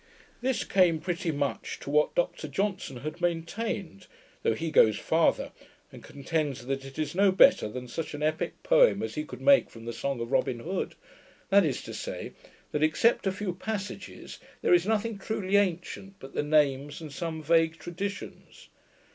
This came pretty much to what Dr Johnson had maintained; though he goes farther, and contends that it is no better than such an epick poem as he could make from the song of Robin Hood; that is to say, that, except a few passages, there is nothing truly ancient but the names and some vague traditions.